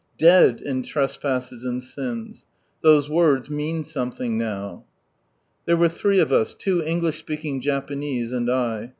Dead in trespasses and sins "— those words mean something now. There were three of us — two English speaking Japanese and I.